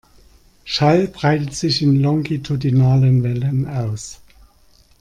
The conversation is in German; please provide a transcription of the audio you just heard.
Schall breitet sich in longitudinalen Wellen aus.